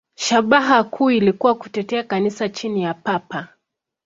Shabaha kuu ilikuwa kutetea Kanisa chini ya Papa.